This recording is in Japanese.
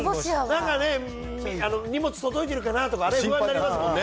なんかね、荷物届いてるかなってあれ、心配になりますもんね